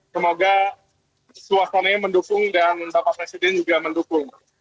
semoga suasananya mendukung dan bapak presiden juga mendukung